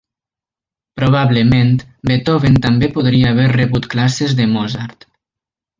Probablement, Beethoven també podria haver rebut classes de Mozart.